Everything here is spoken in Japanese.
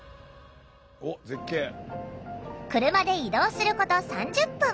車で移動すること３０分。